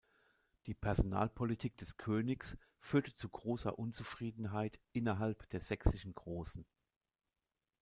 Die Personalpolitik des Königs führte zu großer Unzufriedenheit innerhalb der sächsischen Großen.